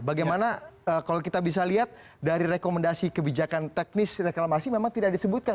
bagaimana kalau kita bisa lihat dari rekomendasi kebijakan teknis reklamasi memang tidak disebutkan